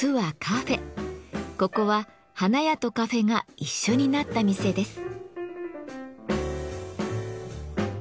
ここは花屋とカフェが一緒になった店です。